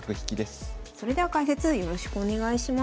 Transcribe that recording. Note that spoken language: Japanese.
それでは解説よろしくお願いします。